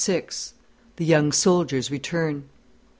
THE YOUNG SOLDIER'S RETURN.